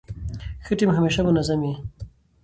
ښه ټیم همېشه منظم يي.